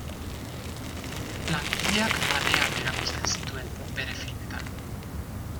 Langileak lanean erakusten zituen bere filmetan.